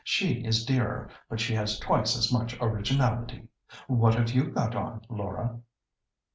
She is dearer, but she has twice as much originality. What have you got on, Laura?"